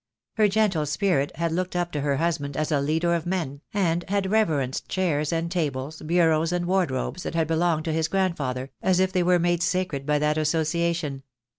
Her gentle spirit had looked up to her husband as a leader of men, and had re verenced chairs and tables, bureaus and wardrobes that had belonged to his grandfather, as if they were made sacred by that association.